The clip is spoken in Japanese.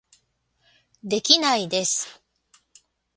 できないです